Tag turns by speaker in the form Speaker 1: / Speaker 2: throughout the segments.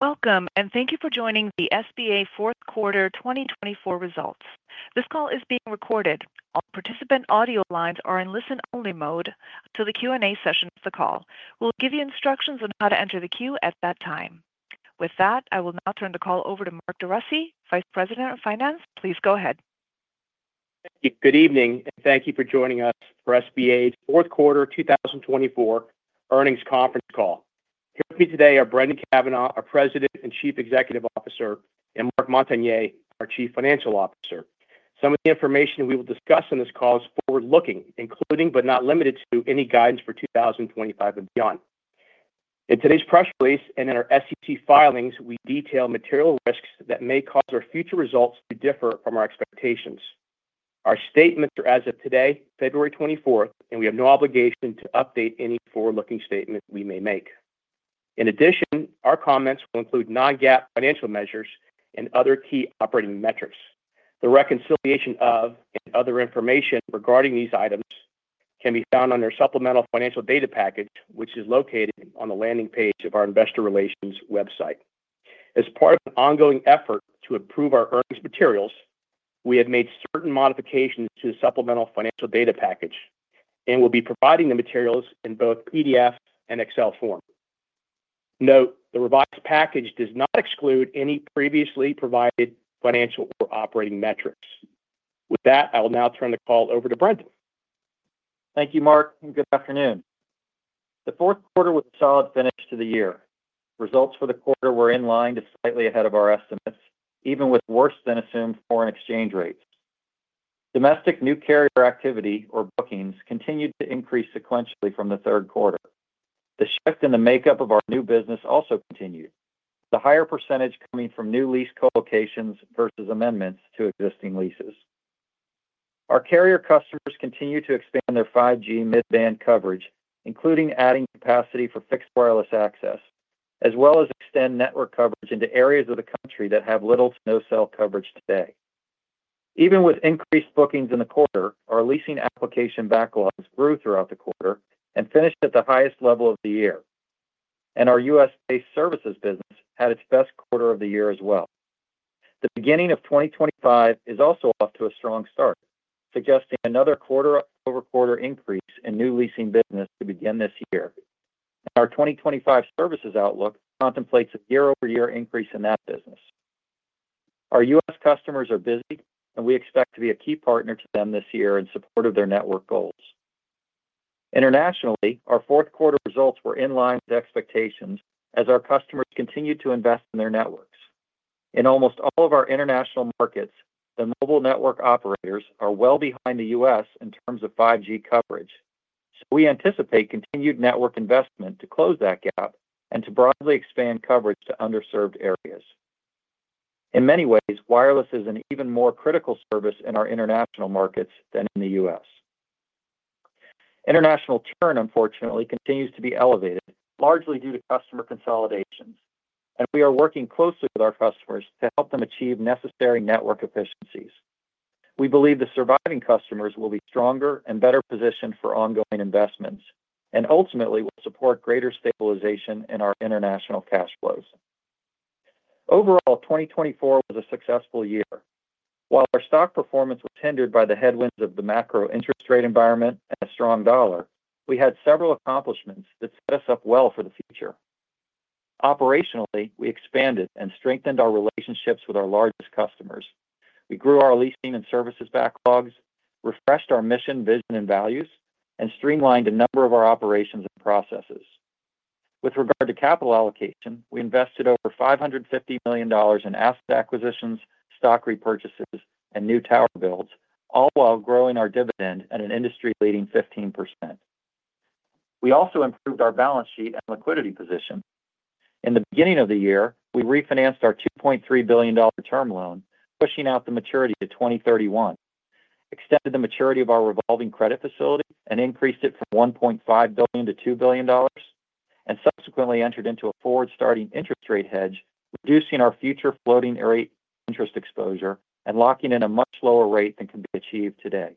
Speaker 1: Welcome, and thank you for joining the SBA fourth quarter 2024 results. This call is being recorded. All participant audio lines are in listen-only mode until the Q&A session of the call. We'll give you instructions on how to enter the queue at that time. With that, I will now turn the call over to Mark DeRussy, Vice President of Finance. Please go ahead.
Speaker 2: Thank you. Good evening, and thank you for joining us for SBA's fourth quarter 2024 earnings conference call. Here with me today are Brendan Cavanagh, our President and Chief Executive Officer, and Marc Montagner, our Chief Financial Officer. Some of the information we will discuss in this call is forward-looking, including but not limited to any guidance for 2025 and beyond. In today's press release and in our SEC filings, we detail material risks that may cause our future results to differ from our expectations. Our statements are as of today, February 24th, and we have no obligation to update any forward-looking statement we may make. In addition, our comments will include non-GAAP financial measures and other key operating metrics. The reconciliation of and other information regarding these items can be found on our supplemental financial data package, which is located on the landing page of our Investor Relations website. As part of an ongoing effort to improve our earnings materials, we have made certain modifications to the supplemental financial data package and will be providing the materials in both PDF and Excel form. Note, the revised package does not exclude any previously provided financial or operating metrics. With that, I will now turn the call over to Brendan.
Speaker 3: Thank you, Mark, and good afternoon. The fourth quarter was a solid finish to the year. Results for the quarter were in line to slightly ahead of our estimates, even with worse-than-assumed foreign exchange rates. Domestic new carrier activity, or bookings, continued to increase sequentially from the third quarter. The shift in the makeup of our new business also continued, with a higher percentage coming from new lease colocations versus amendments to existing leases. Our carrier customers continue to expand their 5G mid-band coverage, including adding capacity for fixed wireless access, as well as extend network coverage into areas of the country that have little to no cell coverage today. Even with increased bookings in the quarter, our leasing application backlogs grew throughout the quarter and finished at the highest level of the year, and our U.S.-based services business had its best quarter of the year as well. The beginning of 2025 is also off to a strong start, suggesting another quarter-over-quarter increase in new leasing business to begin this year. Our 2025 services outlook contemplates a year-over-year increase in that business. Our U.S. customers are busy, and we expect to be a key partner to them this year in support of their network goals. Internationally, our fourth quarter results were in line with expectations as our customers continued to invest in their networks. In almost all of our international markets, the mobile network operators are well behind the U.S. in terms of 5G coverage. We anticipate continued network investment to close that gap and to broadly expand coverage to underserved areas. In many ways, wireless is an even more critical service in our international markets than in the U.S. International churn, unfortunately, continues to be elevated, largely due to customer consolidations. We are working closely with our customers to help them achieve necessary network efficiencies. We believe the surviving customers will be stronger and better positioned for ongoing investments, and ultimately will support greater stabilization in our international cash flows. Overall, 2024 was a successful year. While our stock performance was hindered by the headwinds of the macro interest rate environment and a strong dollar, we had several accomplishments that set us up well for the future. Operationally, we expanded and strengthened our relationships with our largest customers. We grew our leasing and services backlogs, refreshed our mission, vision, and values, and streamlined a number of our operations and processes. With regard to capital allocation, we invested over $550 million in asset acquisitions, stock repurchases, and new tower builds, all while growing our dividend at an industry-leading 15%. We also improved our balance sheet and liquidity position. In the beginning of the year, we refinanced our $2.3 billion term loan, pushing out the maturity to 2031, extended the maturity of our revolving credit facility, and increased it from $1.5 billion to $2 billion, and subsequently entered into a forward-starting interest rate hedge, reducing our future floating-rate interest exposure and locking in a much lower rate than can be achieved today.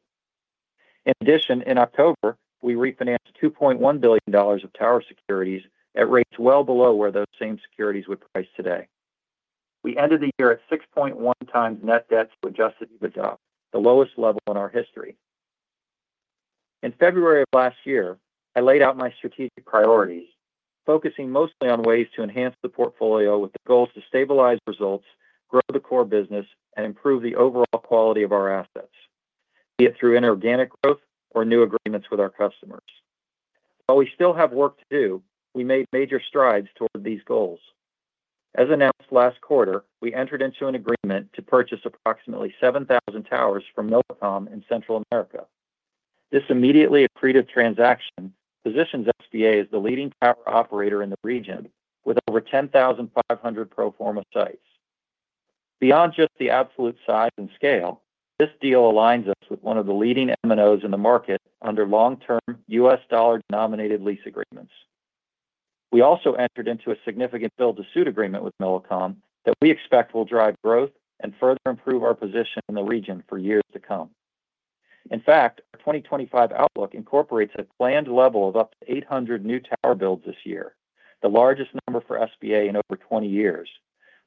Speaker 3: In addition, in October, we refinanced $2.1 billion of tower securities at rates well below where those same securities would price today. We ended the year at 6.1 times Net Debt to Adjusted EBITDA, the lowest level in our history. In February of last year, I laid out my strategic priorities, focusing mostly on ways to enhance the portfolio with the goals to stabilize results, grow the core business, and improve the overall quality of our assets, be it through inorganic growth or new agreements with our customers. While we still have work to do, we made major strides toward these goals. As announced last quarter, we entered into an agreement to purchase approximately 7,000 towers from Novacom in Central America. This immediately accretive transaction positions SBA as the leading tower operator in the region, with over 10,500 pro forma sites. Beyond just the absolute size and scale, this deal aligns us with one of the leading MNOs in the market under long-term U.S. dollar-denominated lease agreements. We also entered into a significant build-to-suit agreement with Novacom that we expect will drive growth and further improve our position in the region for years to come. In fact, our 2025 outlook incorporates a planned level of up to 800 new tower builds this year, the largest number for SBA in over 20 years,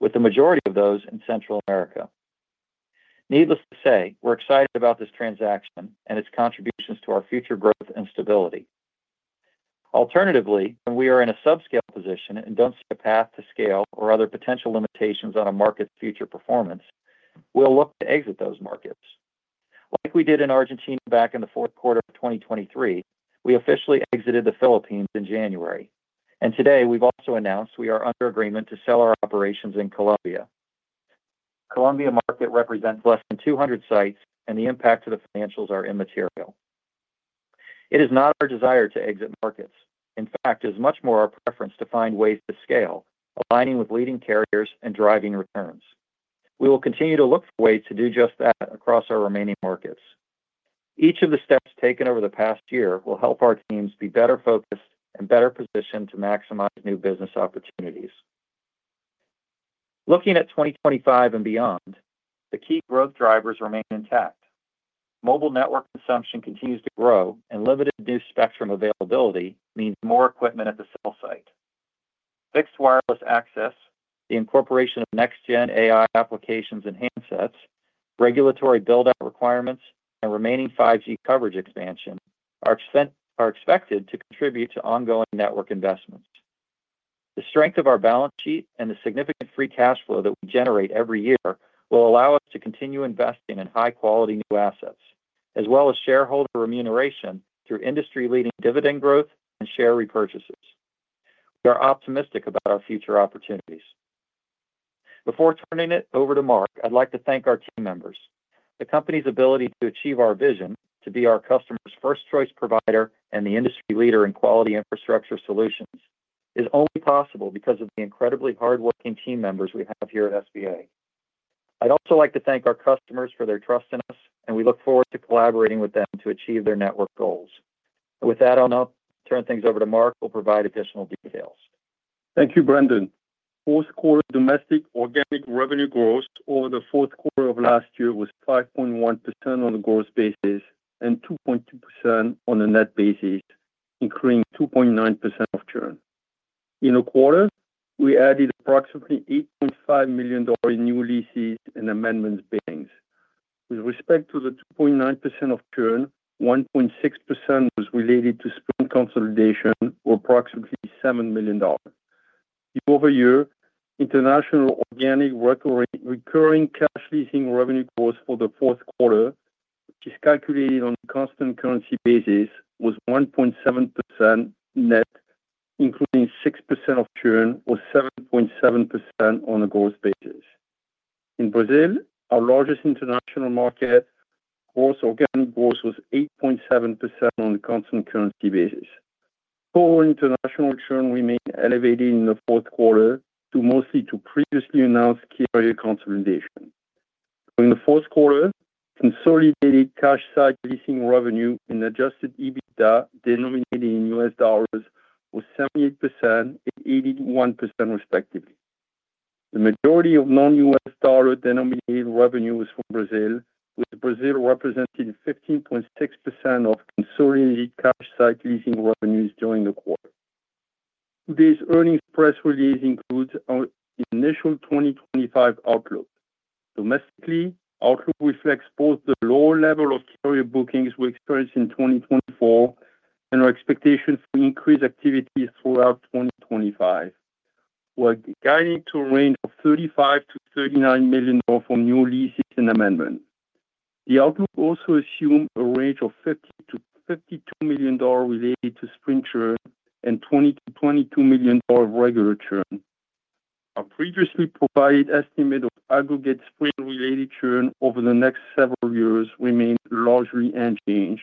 Speaker 3: with the majority of those in Central America. Needless to say, we're excited about this transaction and its contributions to our future growth and stability. Alternatively, when we are in a subscale position and don't see a path to scale or other potential limitations on a market's future performance, we'll look to exit those markets. Like we did in Argentina back in the fourth quarter of 2023, we officially exited the Philippines in January, and today, we've also announced we are under agreement to sell our operations in Colombia. The Colombia market represents less than 200 sites, and the impact to the financials is immaterial. It is not our desire to exit markets. In fact, it is much more our preference to find ways to scale, aligning with leading carriers and driving returns. We will continue to look for ways to do just that across our remaining markets. Each of the steps taken over the past year will help our teams be better focused and better positioned to maximize new business opportunities. Looking at 2025 and beyond, the key growth drivers remain intact. Mobile network consumption continues to grow, and limited new spectrum availability means more equipment at the cell site. Fixed wireless access, the incorporation of next-gen AI applications and handsets, regulatory build-out requirements, and remaining 5G coverage expansion are expected to contribute to ongoing network investments. The strength of our balance sheet and the significant free cash flow that we generate every year will allow us to continue investing in high-quality new assets, as well as shareholder remuneration through industry-leading dividend growth and share repurchases. We are optimistic about our future opportunities. Before turning it over to Mark, I'd like to thank our team members. The company's ability to achieve our vision to be our customer's first-choice provider and the industry leader in quality infrastructure solutions is only possible because of the incredibly hardworking team members we have here at SBA. I'd also like to thank our customers for their trust in us, and we look forward to collaborating with them to achieve their network goals. With that, I'll now turn things over to Marc who will provide additional details.
Speaker 4: Thank you, Brendan. Fourth quarter domestic organic revenue growth over the fourth quarter of last year was 5.1% on a gross basis and 2.2% on a net basis, including 2.9% of churn. In the quarter, we added approximately $8.5 million in new leases and amendments billings. With respect to the 2.9% of churn, 1.6% was related to Sprint consolidation or approximately $7 million. Year-over-year, international organic recurring cash leasing revenue growth for the fourth quarter, which is calculated on a constant currency basis, was 1.7% net, including 6% of churn, or 7.7% on a gross basis. In Brazil, our largest international market, gross organic growth was 8.7% on a constant currency basis. Total international churn remained elevated in the fourth quarter due mostly to previously announced carrier consolidation. During the fourth quarter, consolidated cash site leasing revenue in Adjusted EBITDA denominated in U.S. dollars was 78% and 81%, respectively. The majority of non-U.S. dollar denominated revenue was from Brazil, with Brazil representing 15.6% of consolidated cash site leasing revenues during the quarter. Today's earnings press release includes the initial 2025 outlook. Domestically, outlook reflects both the lower level of carrier bookings we experienced in 2024 and our expectation for increased activity throughout 2025, while guiding to a range of $35-$39 million for new leases and amendments. The outlook also assumed a range of $50-$52 million related to Sprint churn and $20-$22 million of regular churn. Our previously provided estimate of aggregate Sprint-related churn over the next several years remains largely unchanged,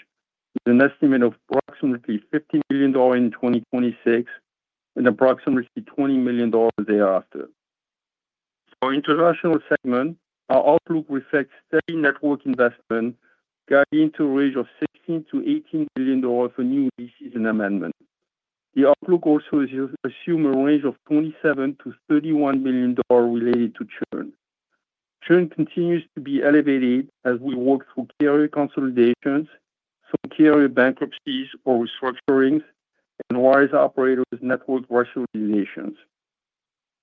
Speaker 4: with an estimate of approximately $50 million in 2026 and approximately $20 million thereafter. For international segment, our outlook reflects steady network investment, guiding to a range of $16-$18 million for new leases and amendments. The outlook also assumed a range of $27-$31 million related to churn. Churn continues to be elevated as we work through carrier consolidations, some carrier bankruptcies or restructurings, and wireless operators' network rationalizations.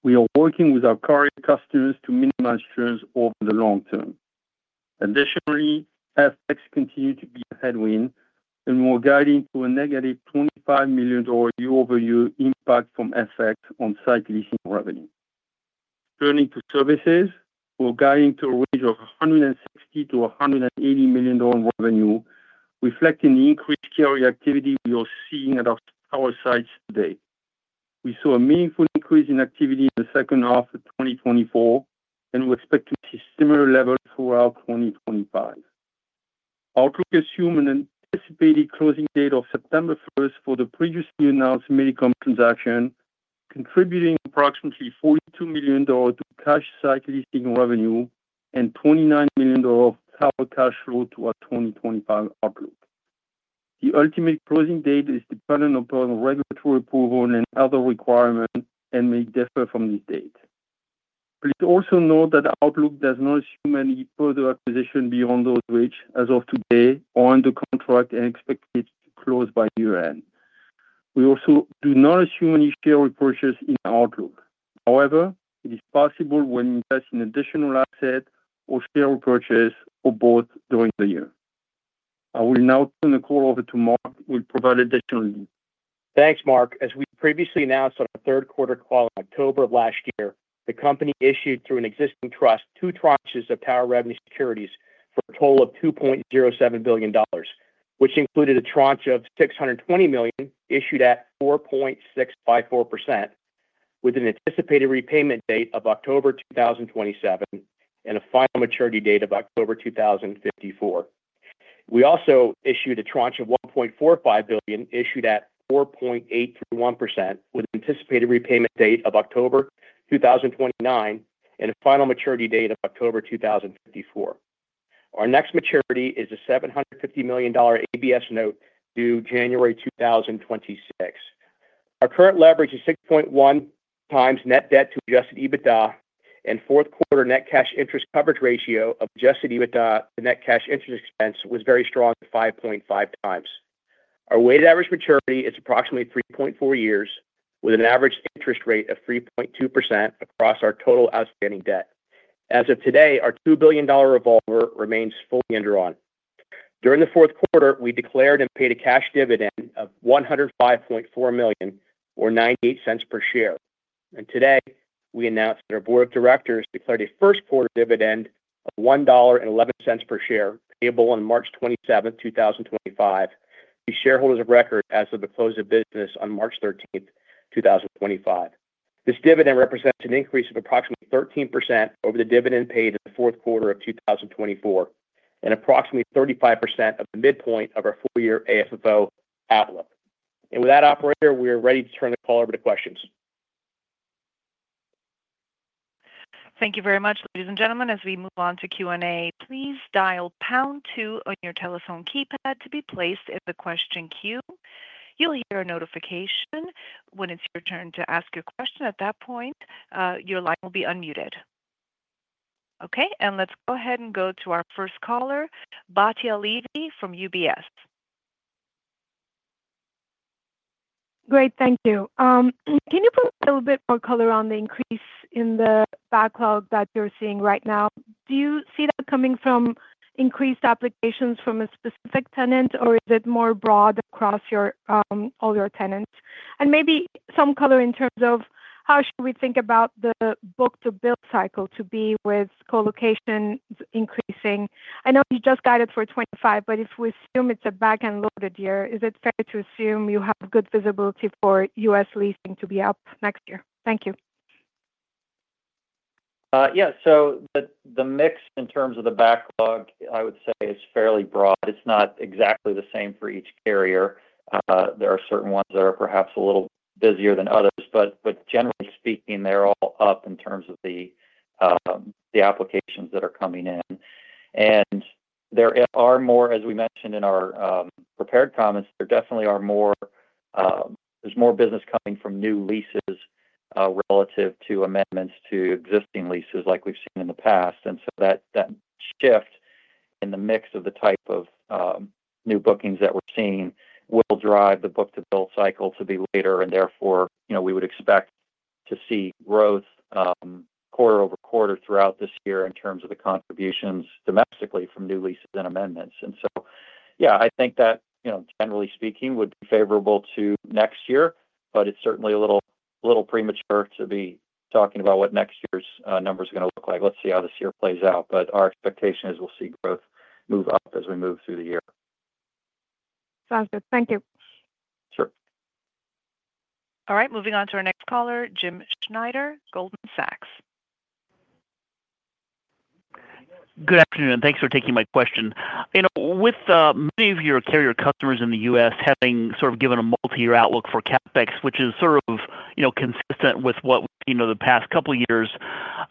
Speaker 4: We are working with our current customers to minimize churns over the long term. Additionally, FX continues to be a headwind, and we're guiding to a negative $25 million year-over-year impact from FX on site leasing revenue. Turning to services, we're guiding to a range of $160-$180 million revenue, reflecting the increased carrier activity we are seeing at our tower sites today. We saw a meaningful increase in activity in the second half of 2024, and we expect to see similar levels throughout 2025. Outlook assumed an anticipated closing date of September 1st for the previously announced Millicom transaction, contributing approximately $42 million to cash site leasing revenue and $29 million tower cash flow to our 2025 outlook. The ultimate closing date is dependent upon regulatory approval and other requirements and may differ from this date. Please also note that the outlook does not assume any further acquisition beyond those reached as of today or under contract and expected to close by year-end. We also do not assume any share repurchase in the outlook. However, it is possible when investing in additional assets or share repurchase or both during the year. I will now turn the call over to Mark, who will provide additional details.
Speaker 2: Thanks, Marc. As we previously announced on our third quarter call in October of last year, the company issued through an existing trust two tranches of tower revenue securities for a total of $2.07 billion, which included a tranche of $620 million issued at 4.654%, with an anticipated repayment date of October 2027 and a final maturity date of October 2054. We also issued a tranche of $1.45 billion issued at 4.831%, with an anticipated repayment date of October 2029 and a final maturity date of October 2054. Our next maturity is a $750 million ABS note due January 2026. Our current leverage is 6.1 times net debt to Adjusted EBITDA, and fourth quarter net cash interest coverage ratio of Adjusted EBITDA to net cash interest expense was very strong at 5.5 times. Our weighted average maturity is approximately 3.4 years, with an average interest rate of 3.2% across our total outstanding debt. As of today, our $2 billion revolver remains fully underwritten. During the fourth quarter, we declared and paid a cash dividend of $105.4 million, or $0.98 per share. Today, we announced that our board of directors declared a first quarter dividend of $1.11 per share, payable on March 27, 2025, to shareholders of record as of the close of business on March 13, 2025. This dividend represents an increase of approximately 13% over the dividend paid in the fourth quarter of 2024, and approximately 35% of the midpoint of our four-year AFFO outlook. With that, operator, we are ready to turn the call over to questions.
Speaker 1: Thank you very much, ladies and gentlemen. As we move on to Q&A, please dial #2 on your telephone keypad to be placed at the question queue. You'll hear a notification when it's your turn to ask your question. At that point, your line will be unmuted. Okay, and let's go ahead and go to our first caller, Batya Levi from UBS.
Speaker 5: Great, thank you. Can you put a little bit more color on the increase in the backlog that you're seeing right now? Do you see that coming from increased applications from a specific tenant, or is it more broad across all your tenants? And maybe some color in terms of how should we think about the book-to-build cycle to be with colocation increasing? I know you just guided for 2025, but if we assume it's a back-and-loaded year, is it fair to assume you have good visibility for U.S. leasing to be up next year? Thank you.
Speaker 3: Yeah, so the mix in terms of the backlog, I would say, is fairly broad. It's not exactly the same for each carrier. There are certain ones that are perhaps a little busier than others, but generally speaking, they're all up in terms of the applications that are coming in, and there are more, as we mentioned in our prepared comments. There definitely are more. There's more business coming from new leases relative to amendments to existing leases like we've seen in the past, and so that shift in the mix of the type of new bookings that we're seeing will drive the book-to-build cycle to be later, and therefore, we would expect to see growth quarter over quarter throughout this year in terms of the contributions domestically from new leases and amendments. Yeah, I think that, generally speaking, would be favorable to next year, but it's certainly a little premature to be talking about what next year's number is going to look like. Let's see how this year plays out, but our expectation is we'll see growth move up as we move through the year.
Speaker 5: Sounds good. Thank you.
Speaker 3: Sure.
Speaker 1: All right, moving on to our next caller, Jim Schneider, Goldman Sachs.
Speaker 6: Good afternoon, and thanks for taking my question. With many of your carrier customers in the U.S. having sort of given a multi-year outlook for CapEx, which is sort of consistent with what we've seen over the past couple of years,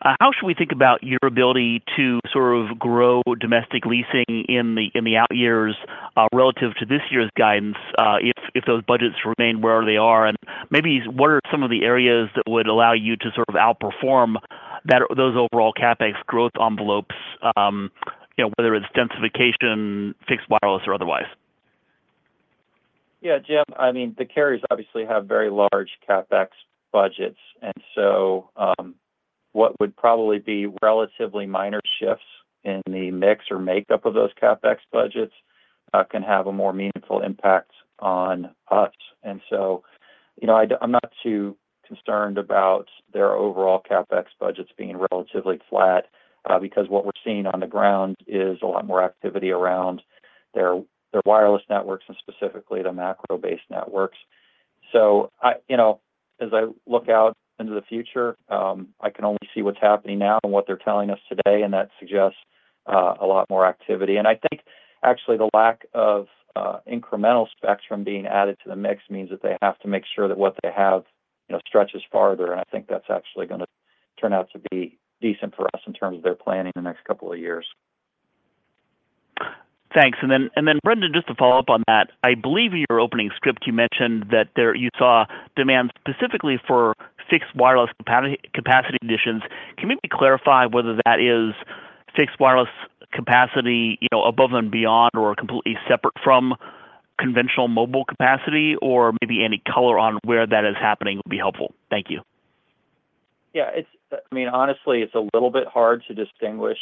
Speaker 6: how should we think about your ability to sort of grow domestic leasing in the out years relative to this year's guidance if those budgets remain where they are? And maybe what are some of the areas that would allow you to sort of outperform those overall CapEx growth envelopes, whether it's densification, fixed wireless, or otherwise?
Speaker 3: Yeah, Jim, I mean, the carriers obviously have very large CapEx budgets, and so what would probably be relatively minor shifts in the mix or makeup of those CapEx budgets can have a more meaningful impact on us. And so I'm not too concerned about their overall CapEx budgets being relatively flat because what we're seeing on the ground is a lot more activity around their wireless networks and specifically the macro-based networks. So as I look out into the future, I can only see what's happening now and what they're telling us today, and that suggests a lot more activity. I think, actually, the lack of incremental spectrum being added to the mix means that they have to make sure that what they have stretches farther, and I think that's actually going to turn out to be decent for us in terms of their planning in the next couple of years.
Speaker 6: Thanks. And then, Brendan, just to follow up on that, I believe in your opening script, you mentioned that you saw demand specifically for fixed wireless capacity additions. Can we clarify whether that is fixed wireless capacity above and beyond or completely separate from conventional mobile capacity, or maybe any color on where that is happening would be helpful? Thank you.
Speaker 3: Yeah, I mean, honestly, it's a little bit hard to distinguish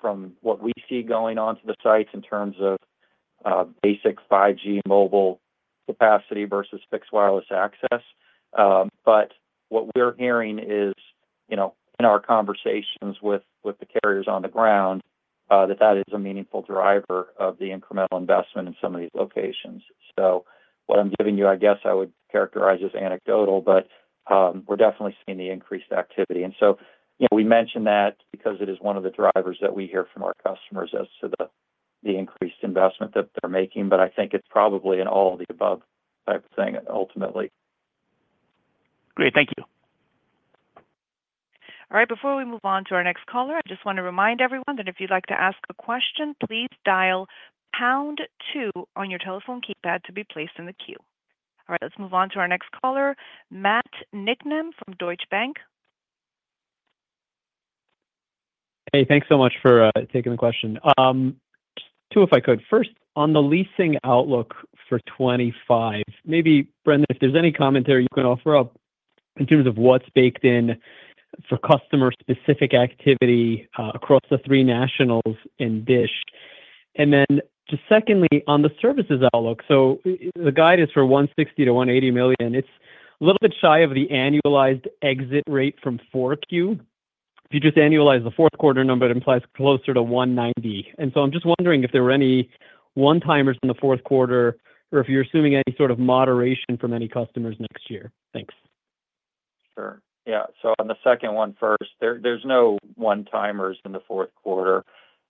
Speaker 3: from what we see going on to the sites in terms of basic 5G mobile capacity versus fixed wireless access. But what we're hearing is, in our conversations with the carriers on the ground, that that is a meaningful driver of the incremental investment in some of these locations. So what I'm giving you, I guess I would characterize as anecdotal, but we're definitely seeing the increased activity. And so we mentioned that because it is one of the drivers that we hear from our customers as to the increased investment that they're making, but I think it's probably an all-of-the-above type of thing ultimately.
Speaker 6: Great, thank you.
Speaker 1: All right, before we move on to our next caller, I just want to remind everyone that if you'd like to ask a question, please dial #2 on your telephone keypad to be placed in the queue. All right, let's move on to our next caller, Matt Niknam from Deutsche Bank.
Speaker 7: Hey, thanks so much for taking the question. Just two, if I could. First, on the leasing outlook for 2025, maybe, Brendan, if there's any commentary you can offer up in terms of what's baked in for customer-specific activity across the three nationals and DISH. And then just secondly, on the services outlook, so the guide is for $160-$180 million. It's a little bit shy of the annualized exit rate from Q4. If you just annualize the fourth quarter number, it implies closer to $190 million. And so I'm just wondering if there were any one-timers in the fourth quarter or if you're assuming any sort of moderation from any customers next year. Thanks.
Speaker 3: Sure. Yeah, so on the second one first, there's no one-timers in the fourth quarter.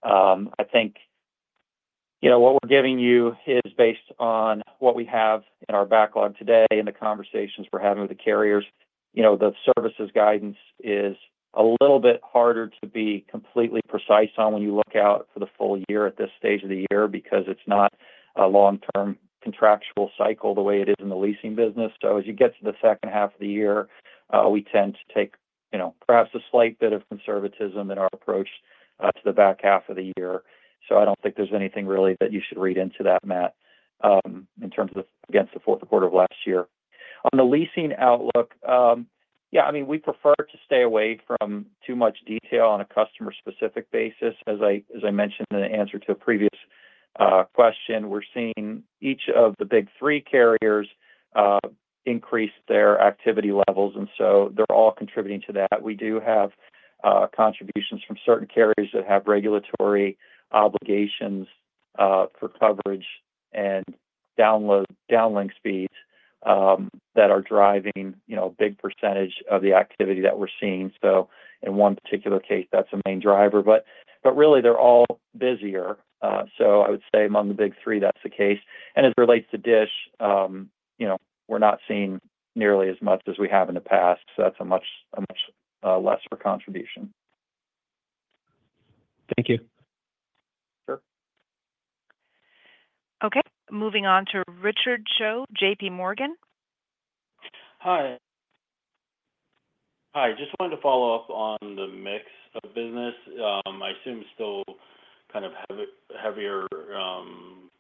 Speaker 3: I think what we're giving you is based on what we have in our backlog today and the conversations we're having with the carriers. The services guidance is a little bit harder to be completely precise on when you look out for the full year at this stage of the year because it's not a long-term contractual cycle the way it is in the leasing business. So as you get to the second half of the year, we tend to take perhaps a slight bit of conservatism in our approach to the back half of the year. So I don't think there's anything really that you should read into that, Matt, in terms of against the fourth quarter of last year. On the leasing outlook, yeah, I mean, we prefer to stay away from too much detail on a customer-specific basis. As I mentioned in the answer to a previous question, we're seeing each of the big three carriers increase their activity levels, and so they're all contributing to that. We do have contributions from certain carriers that have regulatory obligations for coverage and downlink speeds that are driving a big percentage of the activity that we're seeing. So in one particular case, that's a main driver. But really, they're all busier. So I would say among the big three, that's the case. And as it relates to DISH, we're not seeing nearly as much as we have in the past, so that's a much lesser contribution.
Speaker 7: Thank you.
Speaker 3: Sure.
Speaker 1: Okay, moving on to Richard Choe, JP Morgan.
Speaker 8: Hi. Hi, just wanted to follow up on the mix of business. I assume still kind of heavier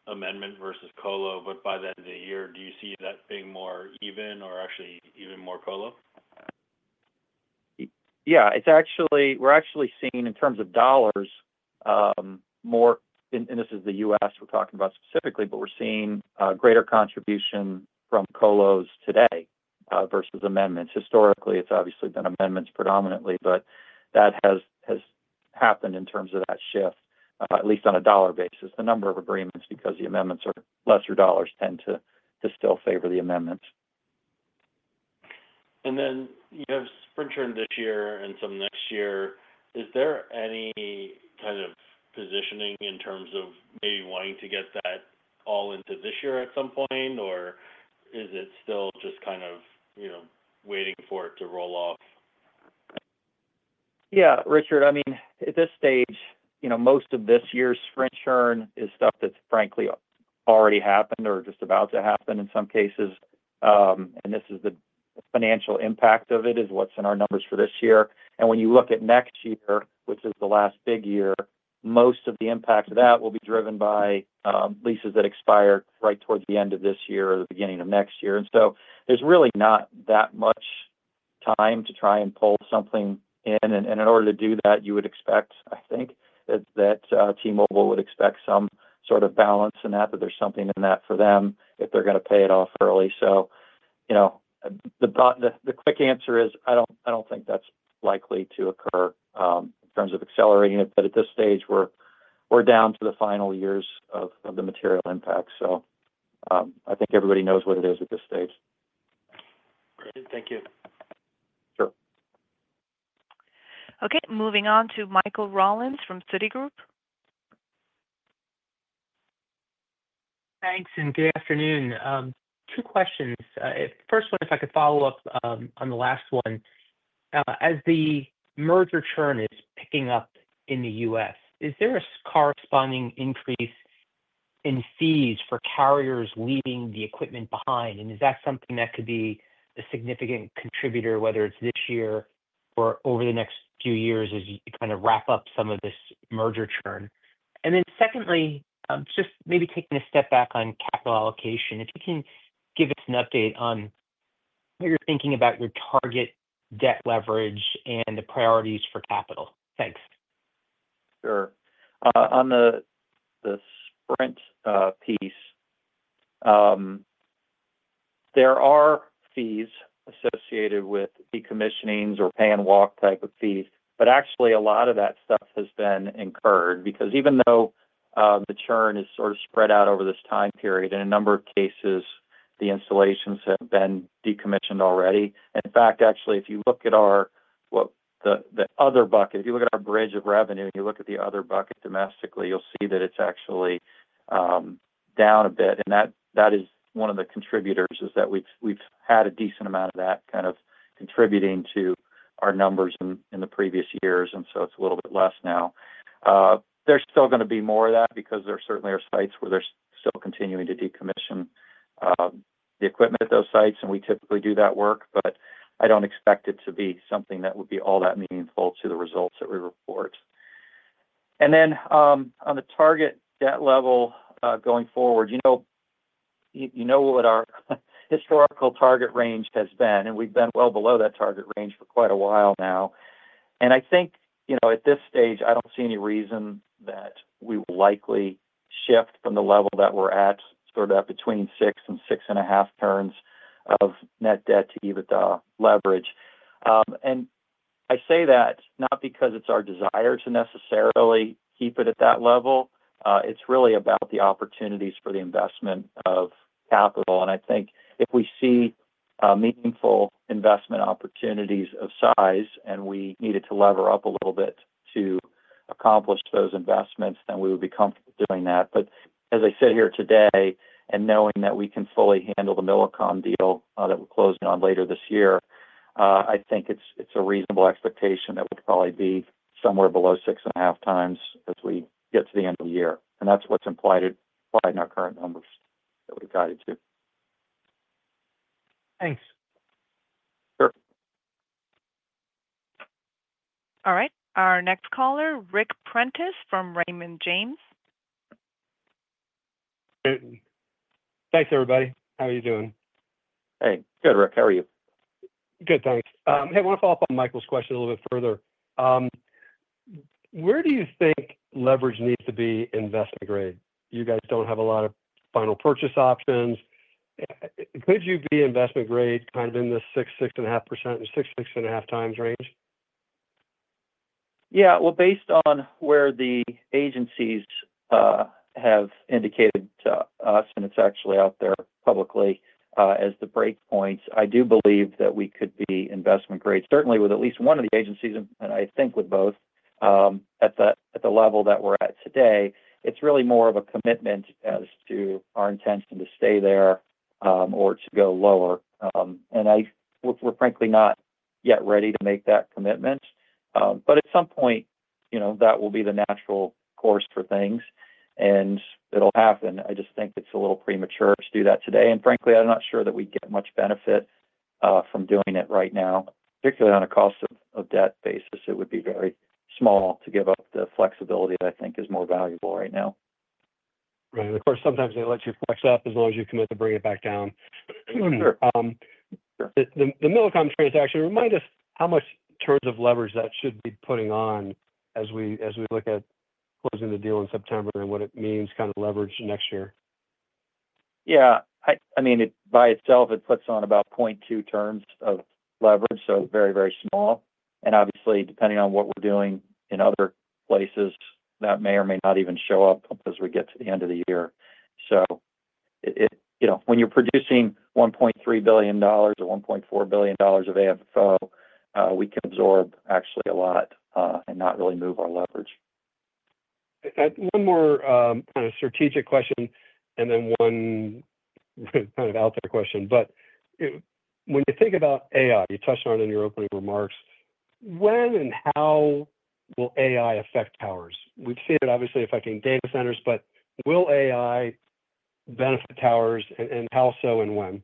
Speaker 8: amendment versus colo, but by the end of the year, do you see that being more even or actually even more colo?
Speaker 3: Yeah, we're actually seeing in terms of dollars more, and this is the U.S. we're talking about specifically, but we're seeing greater contribution from colos today versus amendments. Historically, it's obviously been amendments predominantly, but that has happened in terms of that shift, at least on a dollar basis. The number of agreements because the amendments are lesser dollars tend to still favor the amendments.
Speaker 8: Then you have Sprint churn this year and some next year. Is there any kind of positioning in terms of maybe wanting to get that all into this year at some point, or is it still just kind of waiting for it to roll off?
Speaker 3: Yeah, Richard, I mean, at this stage, most of this year's Sprint-related is stuff that's frankly already happened or just about to happen in some cases. And this is the financial impact of it is what's in our numbers for this year. And when you look at next year, which is the last big year, most of the impact of that will be driven by leases that expire right towards the end of this year or the beginning of next year. And so there's really not that much time to try and pull something in. And in order to do that, you would expect, I think, that T-Mobile would expect some sort of balance in that, that there's something in that for them if they're going to pay it off early. So the quick answer is I don't think that's likely to occur in terms of accelerating it, but at this stage, we're down to the final years of the material impact. So I think everybody knows what it is at this stage.
Speaker 8: Great, thank you.
Speaker 3: Sure.
Speaker 1: Okay, moving on to Mike Rollins from Citigroup.
Speaker 9: Thanks, and good afternoon. Two questions. First one, if I could follow up on the last one. As the merger churn is picking up in the U.S., is there a corresponding increase in fees for carriers leaving the equipment behind? And is that something that could be a significant contributor, whether it's this year or over the next few years as you kind of wrap up some of this merger churn? And then secondly, just maybe taking a step back on capital allocation, if you can give us an update on what you're thinking about your target debt leverage and the priorities for capital. Thanks.
Speaker 3: Sure. On the Sprint piece, there are fees associated with decommissionings or pay-and-walk type of fees, but actually, a lot of that stuff has been incurred because even though the churn is sort of spread out over this time period, in a number of cases, the installations have been decommissioned already. In fact, actually, if you look at the other bucket, if you look at our bridge of revenue and you look at the other bucket domestically, you'll see that it's actually down a bit. And that is one of the contributors is that we've had a decent amount of that kind of contributing to our numbers in the previous years, and so it's a little bit less now. There's still going to be more of that because there certainly are sites where they're still continuing to decommission the equipment at those sites, and we typically do that work, but I don't expect it to be something that would be all that meaningful to the results that we report. And then on the target debt level going forward, you know what our historical target range has been, and we've been well below that target range for quite a while now. And I think at this stage, I don't see any reason that we will likely shift from the level that we're at, sort of between six and six and a half turns of net debt to EBITDA leverage. And I say that not because it's our desire to necessarily keep it at that level. It's really about the opportunities for the investment of capital. And I think if we see meaningful investment opportunities of size and we needed to lever up a little bit to accomplish those investments, then we would be comfortable doing that. But as I sit here today and knowing that we can fully handle the Millicom deal that we're closing on later this year, I think it's a reasonable expectation that we'll probably be somewhere below six and a half times as we get to the end of the year. And that's what's implied in our current numbers that we've guided to.
Speaker 9: Thanks.
Speaker 3: Sure.
Speaker 1: All right, our next caller, Ric Prentiss from Raymond James.
Speaker 10: Great. Thanks, everybody. How are you doing?
Speaker 3: Hey, good, Ric. How are you?
Speaker 10: Good, thanks. Hey, I want to follow up on Michael's question a little bit further. Where do you think leverage needs to be investment-grade? You guys don't have a lot of final purchase options. Could you be investment-grade kind of in the six, six and a half %, six, six and a half times range?
Speaker 3: Yeah, well, based on where the agencies have indicated to us, and it's actually out there publicly as the breakpoints, I do believe that we could be investment-grade. Certainly, with at least one of the agencies, and I think with both at the level that we're at today, it's really more of a commitment as to our intention to stay there or to go lower. And we're frankly not yet ready to make that commitment. But at some point, that will be the natural course for things, and it'll happen. I just think it's a little premature to do that today. And frankly, I'm not sure that we get much benefit from doing it right now, particularly on a cost of debt basis. It would be very small to give up the flexibility that I think is more valuable right now.
Speaker 10: Right. Of course, sometimes they let you flex up as long as you commit to bring it back down.
Speaker 3: Sure.
Speaker 10: The Millicom transaction, remind us how much turns of leverage that should be putting on as we look at closing the deal in September and what it means kind of leverage next year?
Speaker 3: Yeah, I mean, by itself, it puts on about 0.2 turns of leverage, so very, very small. And obviously, depending on what we're doing in other places, that may or may not even show up as we get to the end of the year. So when you're producing $1.3 billion or $1.4 billion of AFFO, we can absorb actually a lot and not really move our leverage.
Speaker 10: One more kind of strategic question and then one kind of out there question, but when you think about AI, you touched on it in your opening remarks, when and how will AI affect towers? We've seen it obviously affecting data centers, but will AI benefit towers, and how so and when?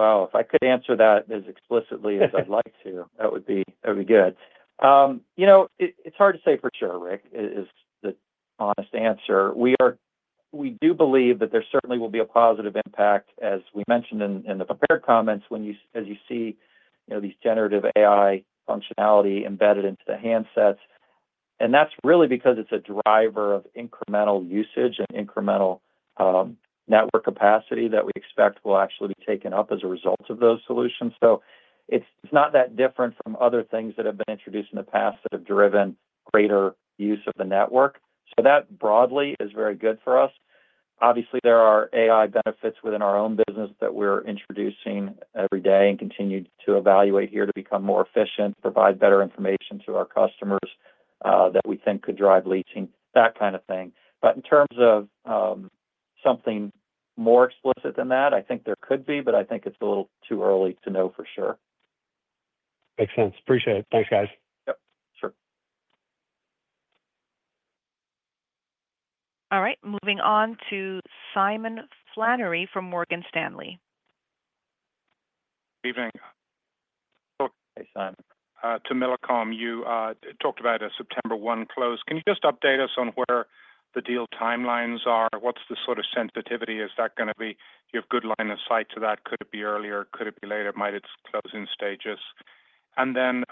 Speaker 3: If I could answer that as explicitly as I'd like to, that would be good. It's hard to say for sure, Rick. That is the honest answer. We do believe that there certainly will be a positive impact, as we mentioned in the prepared comments, as you see these generative AI functionality embedded into the handsets. And that's really because it's a driver of incremental usage and incremental network capacity that we expect will actually be taken up as a result of those solutions. So it's not that different from other things that have been introduced in the past that have driven greater use of the network. So that broadly is very good for us. Obviously, there are AI benefits within our own business that we're introducing every day and continue to evaluate here to become more efficient, provide better information to our customers that we think could drive leasing, that kind of thing. But in terms of something more explicit than that, I think there could be, but I think it's a little too early to know for sure.
Speaker 10: Makes sense. Appreciate it. Thanks, guys.
Speaker 3: Yep. Sure.
Speaker 1: All right, moving on to Simon Flannery from Morgan Stanley.
Speaker 11: Good evening.
Speaker 3: Okay, Simon.
Speaker 11: To Millicom, you talked about a September 1 close. Can you just update us on where the deal timelines are? What's the sort of sensitivity? Is that going to be you have good line of sight to that? Could it be earlier? Could it be later? Might it be closing stages? And then,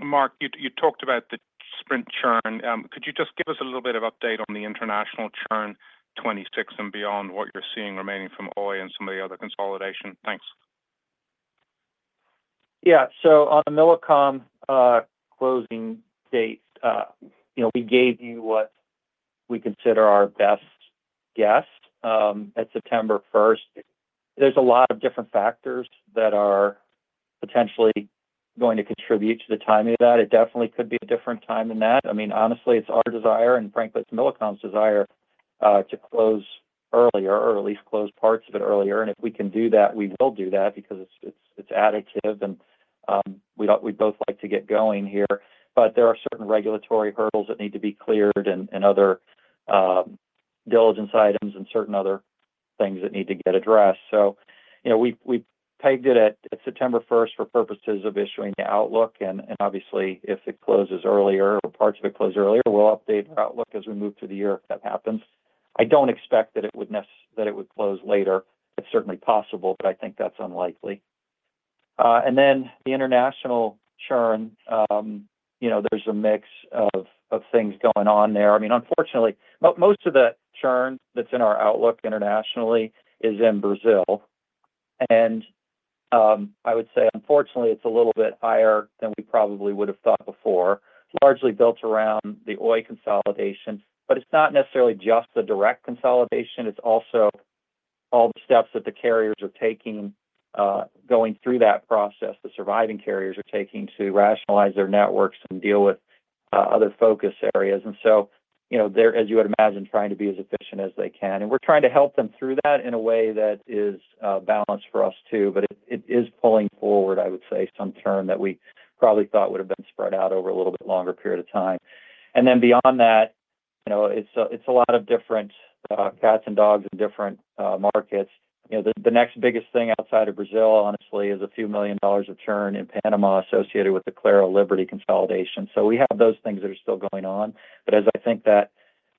Speaker 11: Mark, you talked about the Sprint churn. Could you just give us a little bit of update on the international churn '26 and beyond, what you're seeing remaining from Oi and some of the other consolidation? Thanks.
Speaker 2: Yeah, so on the Millicom closing date, we gave you what we consider our best guess at September 1st. There's a lot of different factors that are potentially going to contribute to the timing of that. It definitely could be a different time than that. I mean, honestly, it's our desire, and frankly, it's Millicom's desire to close earlier or at least close parts of it earlier. And if we can do that, we will do that because it's additive, and we both like to get going here. But there are certain regulatory hurdles that need to be cleared and other diligence items and certain other things that need to get addressed. So we pegged it at September 1st for purposes of issuing the outlook. And obviously, if it closes earlier or parts of it close earlier, we'll update our outlook as we move through the year if that happens. I don't expect that it would close later. It's certainly possible, but I think that's unlikely. And then the international churn, there's a mix of things going on there. I mean, unfortunately, most of the churn that's in our outlook internationally is in Brazil. And I would say, unfortunately, it's a little bit higher than we probably would have thought before. It's largely built around the Oi consolidation, but it's not necessarily just the direct consolidation. It's also all the steps that the carriers are taking, going through that process, the surviving carriers are taking to rationalize their networks and deal with other focus areas. And so, as you would imagine, trying to be as efficient as they can. And we're trying to help them through that in a way that is balanced for us too, but it is pulling forward, I would say, some churn that we probably thought would have been spread out over a little bit longer period of time. And then beyond that, it's a lot of different cats and dogs in different markets. The next biggest thing outside of Brazil, honestly, is a few million dollars of churn in Panama associated with the Claro Liberty consolidation. So we have those things that are still going on. But as I think that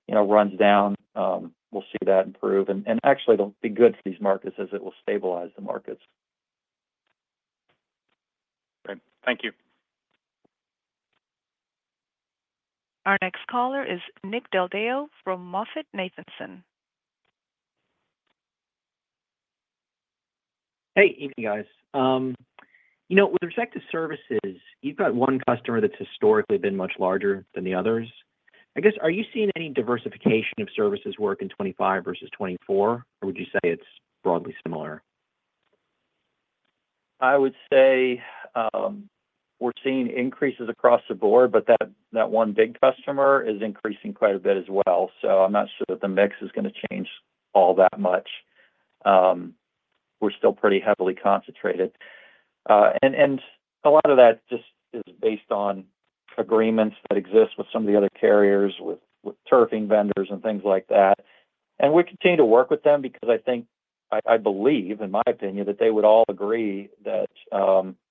Speaker 2: runs down, we'll see that improve. And actually, it'll be good for these markets as it will stabilize the markets.
Speaker 11: Great. Thank you.
Speaker 1: Our next caller is Nick Del Deo from MoffettNathanson.
Speaker 12: Hey, evening, guys. With respect to services, you've got one customer that's historically been much larger than the others. I guess, are you seeing any diversification of services work in 2025 versus 2024, or would you say it's broadly similar?
Speaker 3: I would say we're seeing increases across the board, but that one big customer is increasing quite a bit as well. So I'm not sure that the mix is going to change all that much. We're still pretty heavily concentrated. And a lot of that just is based on agreements that exist with some of the other carriers, with turfing vendors and things like that. And we continue to work with them because I believe, in my opinion, that they would all agree that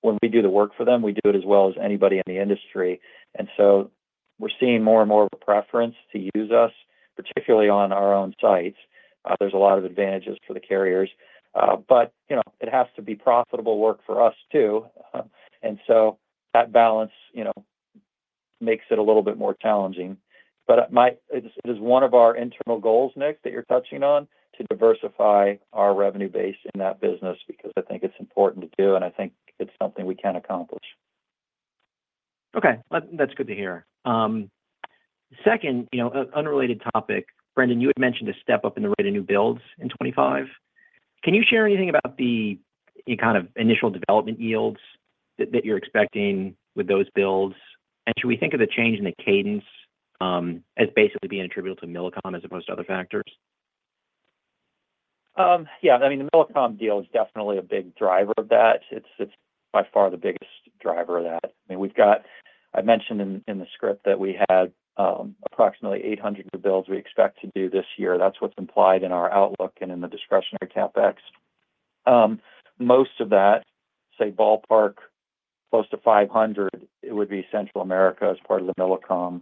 Speaker 3: when we do the work for them, we do it as well as anybody in the industry. And so we're seeing more and more of a preference to use us, particularly on our own sites. There's a lot of advantages for the carriers. But it has to be profitable work for us too. And so that balance makes it a little bit more challenging. But it is one of our internal goals, Nick, that you're touching on, to diversify our revenue base in that business because I think it's important to do, and I think it's something we can accomplish.
Speaker 12: Okay. That's good to hear. Second, an unrelated topic, Brendan, you had mentioned a step up in the rate of new builds in 2025. Can you share anything about the kind of initial development yields that you're expecting with those builds? And should we think of the change in the cadence as basically being attributable to Millicom as opposed to other factors?
Speaker 3: Yeah. I mean, the Millicom deal is definitely a big driver of that. It's by far the biggest driver of that. I mean, I mentioned in the script that we had approximately 800 new builds we expect to do this year. That's what's implied in our outlook and in the discretionary CapEx. Most of that, say, ballpark close to 500, it would be Central America as part of the Millicom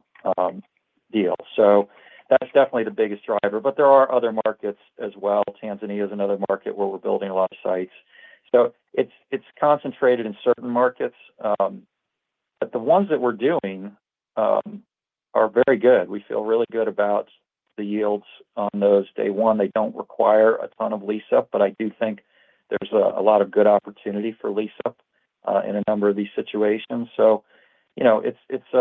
Speaker 3: deal. So that's definitely the biggest driver. But there are other markets as well. Tanzania is another market where we're building a lot of sites. So it's concentrated in certain markets. But the ones that we're doing are very good. We feel really good about the yields on those. Day one, they don't require a ton of lease-up, but I do think there's a lot of good opportunity for lease-up in a number of these situations. So it's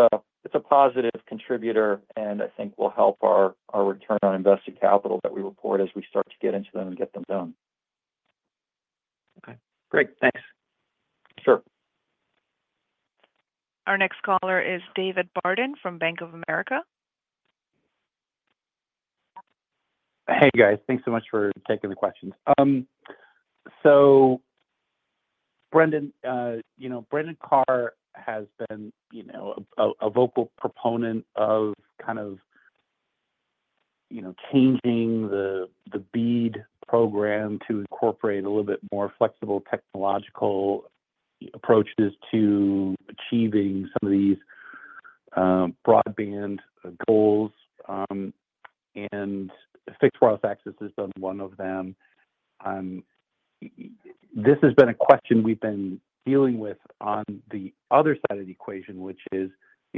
Speaker 3: a positive contributor, and I think will help our return on invested capital that we report as we start to get into them and get them done.
Speaker 12: Okay. Great. Thanks.
Speaker 3: Sure.
Speaker 1: Our next caller is David Barden from Bank of America.
Speaker 13: Hey, guys. Thanks so much for taking the questions. So Brendan, Brendan Carr has been a vocal proponent of kind of changing the BEAD program to incorporate a little bit more flexible technological approaches to achieving some of these broadband goals. And Fixed Wireless Access has been one of them. This has been a question we've been dealing with on the other side of the equation, which is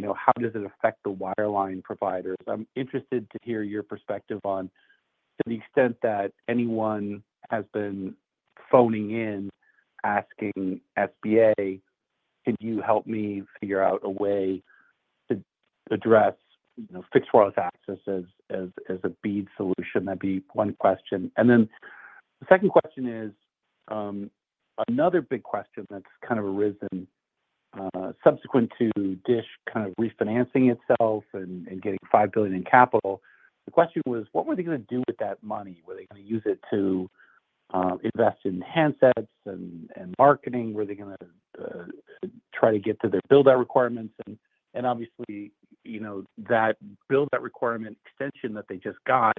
Speaker 13: how does it affect the wireline providers? I'm interested to hear your perspective on to the extent that anyone has been phoning in asking SBA, "Could you help me figure out a way to address Fixed Wireless Access as a BEAD solution?" That'd be one question. And then the second question is another big question that's kind of arisen subsequent to DISH kind of refinancing itself and getting $5 billion in capital. The question was, what were they going to do with that money? Were they going to use it to invest in handsets and marketing? Were they going to try to get to their build-out requirements? And obviously, that build-out requirement extension that they just got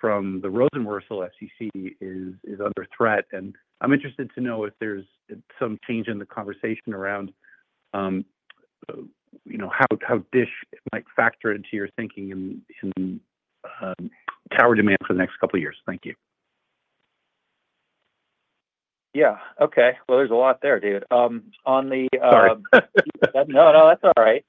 Speaker 13: from the Rosenworcel FCC is under threat. And I'm interested to know if there's some change in the conversation around how DISH might factor into your thinking in tower demand for the next couple of years. Thank you.
Speaker 3: Yeah. Okay. Well, there's a lot there, David. On the.
Speaker 13: Sorry.
Speaker 3: No, no, that's all right.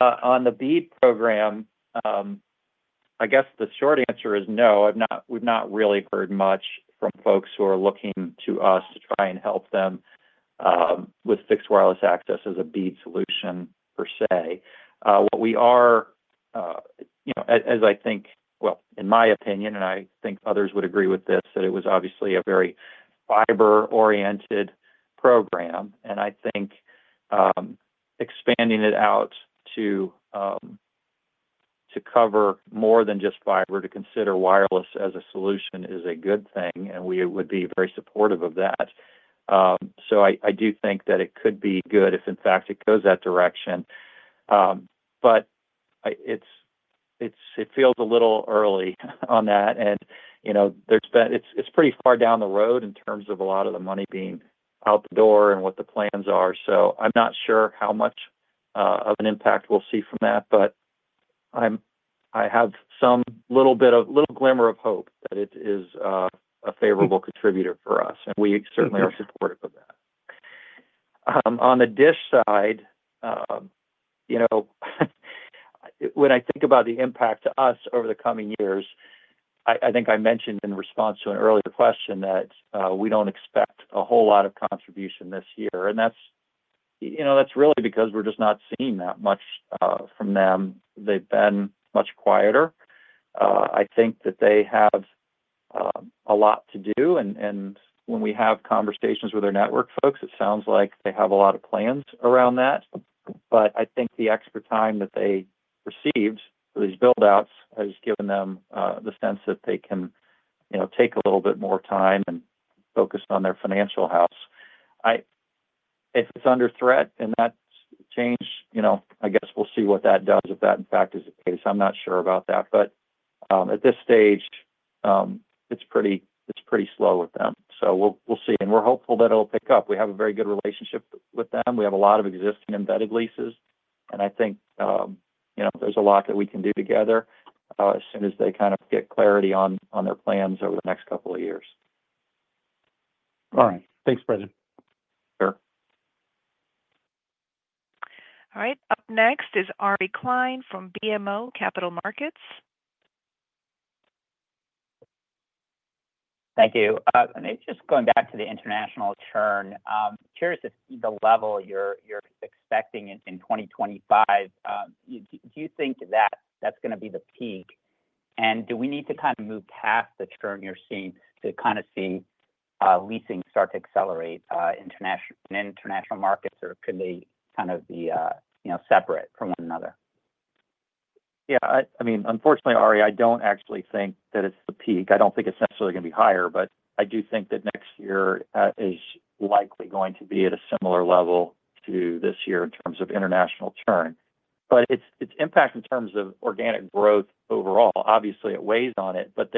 Speaker 3: On the BEAD program, I guess the short answer is no. We've not really heard much from folks who are looking to us to try and help them with Fixed Wireless Access as a BEAD solution per se. What we are, as I think, well, in my opinion, and I think others would agree with this, that it was obviously a very fiber-oriented program. And I think expanding it out to cover more than just fiber, to consider wireless as a solution is a good thing, and we would be very supportive of that. So I do think that it could be good if, in fact, it goes that direction. But it feels a little early on that. And it's pretty far down the road in terms of a lot of the money being out the door and what the plans are. So, I'm not sure how much of an impact we'll see from that, but I have some little bit of a little glimmer of hope that it is a favorable contributor for us. And we certainly are supportive of that. On the DISH side, when I think about the impact to us over the coming years, I think I mentioned in response to an earlier question that we don't expect a whole lot of contribution this year. And that's really because we're just not seeing that much from them. They've been much quieter. I think that they have a lot to do. And when we have conversations with our network folks, it sounds like they have a lot of plans around that. But I think the extra time that they received for these build-outs has given them the sense that they can take a little bit more time and focus on their financial house. If it's under threat and that change, I guess we'll see what that does if that, in fact, is the case. I'm not sure about that. But at this stage, it's pretty slow with them. So we'll see. And we're hopeful that it'll pick up. We have a very good relationship with them. We have a lot of existing embedded leases. And I think there's a lot that we can do together as soon as they kind of get clarity on their plans over the next couple of years.
Speaker 13: All right. Thanks, Brendan.
Speaker 3: Sure.
Speaker 1: All right. Up next is Ari Klein from BMO Capital Markets.
Speaker 14: Thank you. And just going back to the international churn, curious to see the level you're expecting in 2025. Do you think that that's going to be the peak? And do we need to kind of move past the churn you're seeing to kind of see leasing start to accelerate in international markets, or could they kind of be separate from one another?
Speaker 3: Yeah. I mean, unfortunately, Ari, I don't actually think that it's the peak. I don't think it's necessarily going to be higher, but I do think that next year is likely going to be at a similar level to this year in terms of international churn. But its impact in terms of organic growth overall, obviously, it weighs on it, but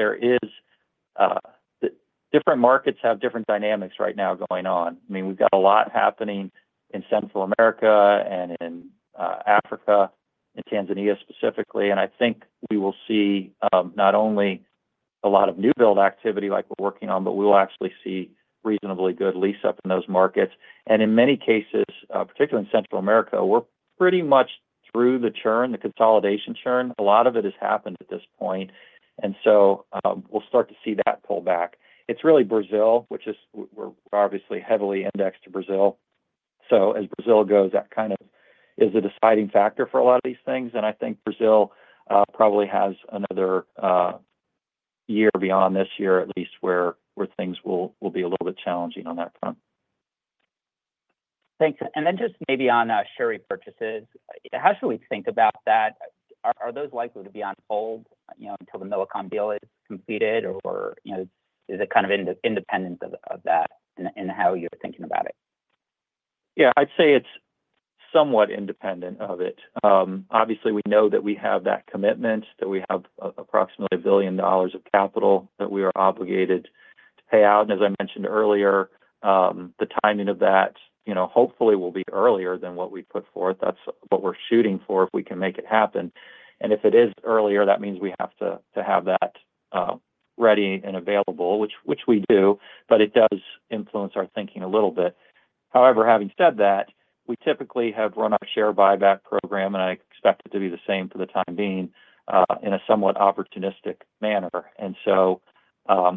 Speaker 3: different markets have different dynamics right now going on. I mean, we've got a lot happening in Central America and in Africa, in Tanzania specifically. And I think we will see not only a lot of new build activity like we're working on, but we will actually see reasonably good lease-up in those markets. And in many cases, particularly in Central America, we're pretty much through the churn, the consolidation churn. A lot of it has happened at this point. And so we'll start to see that pull back. It's really Brazil, which is, we're obviously heavily indexed to Brazil. So as Brazil goes, that kind of is a deciding factor for a lot of these things. And I think Brazil probably has another year beyond this year, at least, where things will be a little bit challenging on that front.
Speaker 14: Thanks. And then just maybe on share purchases, how should we think about that? Are those likely to be on hold until the Millicom deal is completed, or is it kind of independent of that in how you're thinking about it?
Speaker 3: Yeah. I'd say it's somewhat independent of it. Obviously, we know that we have that commitment, that we have approximately $1 billion of capital that we are obligated to pay out. And as I mentioned earlier, the timing of that hopefully will be earlier than what we put forth. That's what we're shooting for if we can make it happen. And if it is earlier, that means we have to have that ready and available, which we do, but it does influence our thinking a little bit. However, having said that, we typically have run our share buyback program, and I expect it to be the same for the time being in a somewhat opportunistic manner.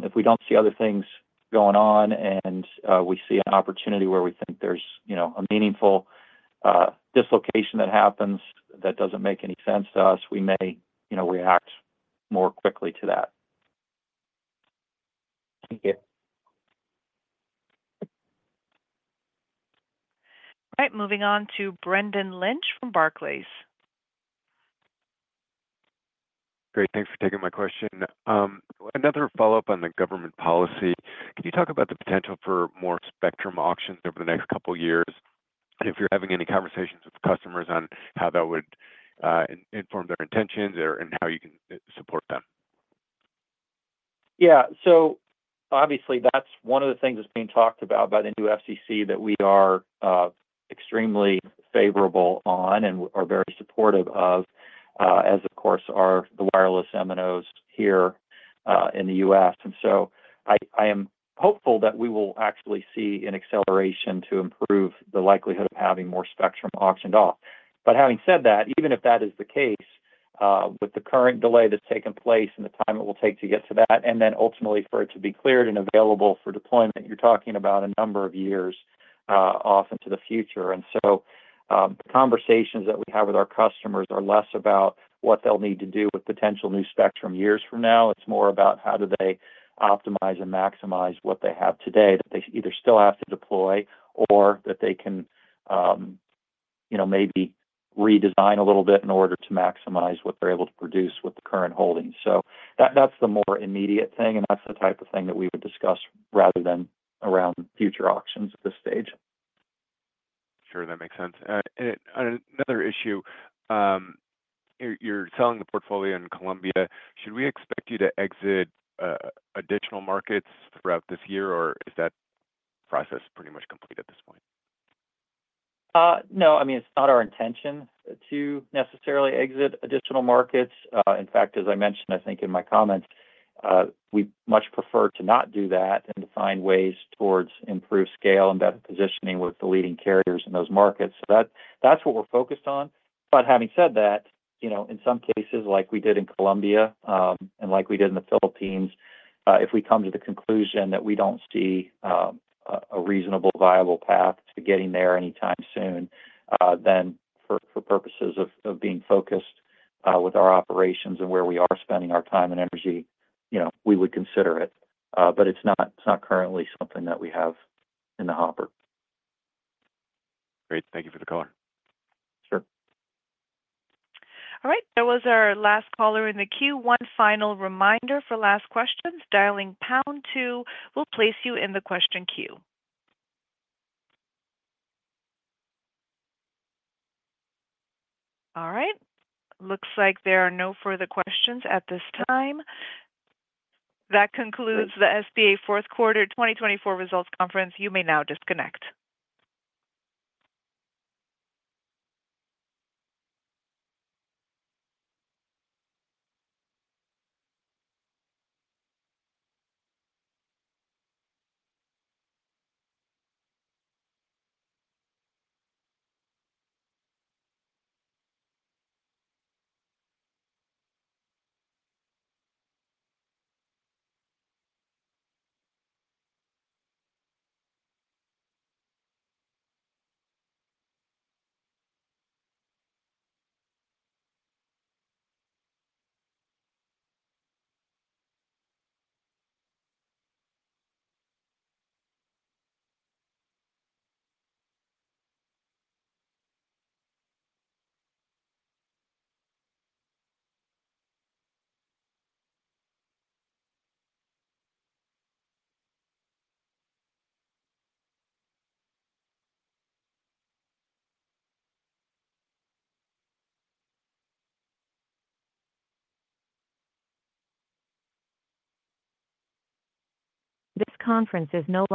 Speaker 3: If we don't see other things going on and we see an opportunity where we think there's a meaningful dislocation that happens that doesn't make any sense to us, we may react more quickly to that.
Speaker 14: Thank you.
Speaker 1: All right. Moving on to Brendan Lynch from Barclays.
Speaker 15: Great. Thanks for taking my question. Another follow-up on the government policy. Can you talk about the potential for more spectrum auctions over the next couple of years? And if you're having any conversations with customers on how that would inform their intentions and how you can support them?
Speaker 3: Yeah. So obviously, that's one of the things that's being talked about by the new FCC that we are extremely favorable on and are very supportive of, as of course, are the wireless MNOs here in the U.S. And so I am hopeful that we will actually see an acceleration to improve the likelihood of having more spectrum auctioned off. But having said that, even if that is the case, with the current delay that's taken place and the time it will take to get to that, and then ultimately for it to be cleared and available for deployment, you're talking about a number of years off into the future. And so the conversations that we have with our customers are less about what they'll need to do with potential new spectrum years from now. It's more about how do they optimize and maximize what they have today that they either still have to deploy or that they can maybe redesign a little bit in order to maximize what they're able to produce with the current holdings. So that's the more immediate thing, and that's the type of thing that we would discuss rather than around future auctions at this stage.
Speaker 15: Sure. That makes sense. And another issue, you're selling the portfolio in Colombia. Should we expect you to exit additional markets throughout this year, or is that process pretty much complete at this point?
Speaker 3: No. I mean, it's not our intention to necessarily exit additional markets. In fact, as I mentioned, I think in my comments, we'd much prefer to not do that and to find ways towards improved scale and better positioning with the leading carriers in those markets. So that's what we're focused on. But having said that, in some cases, like we did in Colombia and like we did in the Philippines, if we come to the conclusion that we don't see a reasonable, viable path to getting there anytime soon, then for purposes of being focused with our operations and where we are spending our time and energy, we would consider it. But it's not currently something that we have in the hopper.
Speaker 15: Great. Thank you for the call.
Speaker 3: Sure.
Speaker 1: All right. That was our last caller in the queue. One final reminder for last questions. Dialing pound two. We'll place you in the question queue. All right. Looks like there are no further questions at this time. That concludes the SBA Fourth Quarter 2024 Results Conference. You may now disconnect. This conference is now.